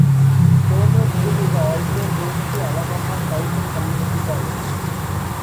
Thomasville is also home to Alabama Southern Community College.